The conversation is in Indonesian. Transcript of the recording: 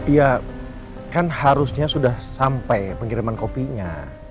ya kan harusnya sudah sampai pengiriman kopinya